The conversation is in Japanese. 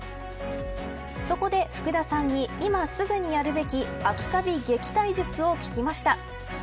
そこで福田さんに、今すぐやるべき秋カビ撃退術を聞きました。